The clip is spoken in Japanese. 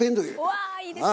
おわいいですね。